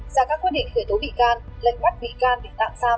ra các quyết định khởi tố bị can lệnh bắt bị can bị tạm xam